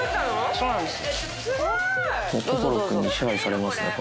そうなんです。